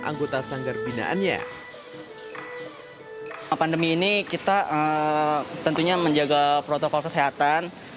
pertama pengguna pandemi ini menjaga protokol kesehatan